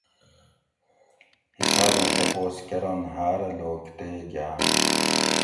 حسابیں تپوس کۤرن ہاۤرہ لوک تے گاۤن